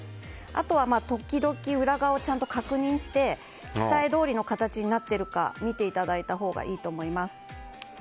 あとは、時々裏側をちゃんと確認して下絵どおりの形になっているか見ていただいたほうがいいと思います。